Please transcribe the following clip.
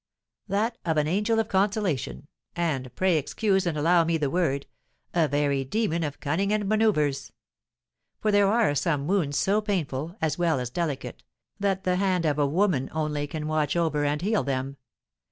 "That of an angel of consolation, and pray excuse and allow me the word a very demon of cunning and manoeuvres! For there are some wounds so painful, as well as delicate, that the hand of a woman only can watch over and heal them.